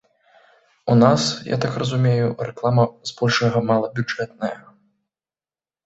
У нас, я так разумею, рэклама збольшага малабюджэтная?